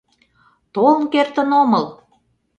Толын кертын омыл.